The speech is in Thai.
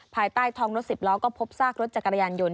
ภายใต้ท้องรถสิบล้อก็พบซากรถจักรยานยนต